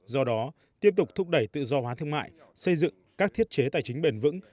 do đó tiếp tục thúc đẩy tự do hóa thương mại xây dựng các thiết chế tài chính bền vững